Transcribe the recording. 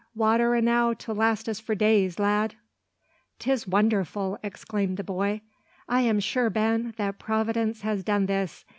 water enow to last us for days, lad!" "'Tis wonderful!" exclaimed the boy. "I am sure, Ben, that Providence has done this.